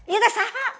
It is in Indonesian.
iya teh saha